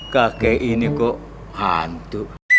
kakek ini kok hantu